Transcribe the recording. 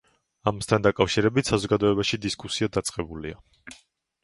ამასთან დაკავშირებით საზოგადოებაში დისკუსია დაწყებულია.